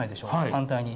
反対に。